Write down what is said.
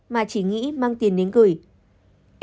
mà chỉ nghĩ mang tiền đến gửi